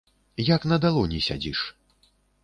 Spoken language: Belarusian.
Як на далоні сядзіш.